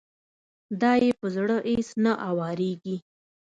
دا يې په زړه اېڅ نه اوارېږي.